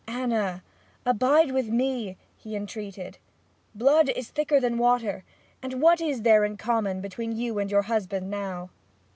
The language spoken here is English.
'Anna abide with me!' he entreated. 'Blood is thicker than water, and what is there in common between you and your husband now?'